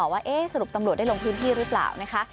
ว่าสรุปตำรวจได้ลงพื้นที่หรือเปล่านะคะ